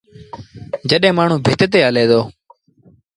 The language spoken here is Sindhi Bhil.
جڏهيݩ مآڻهوٚݩ ڀت هلي دو۔